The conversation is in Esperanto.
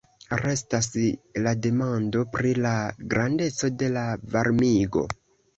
Restas la demando pri la grandeco de la varmigo.